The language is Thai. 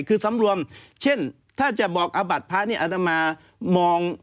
คือสำรวมเช่นถ้าจะบอกอาบดพระนี้อาจจะมามอง